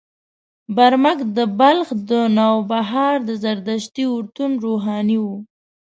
برمک د بلخ د نوبهار د زردشتي اورتون روحاني و.